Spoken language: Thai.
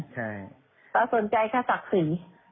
พระอาจจะสนใจค่าศักดิ์ศรี